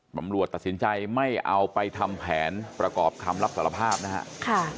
ตำรวจตัดสินใจไม่เอาไปทำแผนประกอบคำรับสารภาพนะครับ